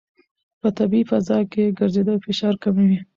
په طبیعي فضا کې ګرځېدل فشار کموي.